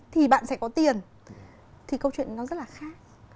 thì bạn sẽ có tiền thì câu chuyện nó rất là khác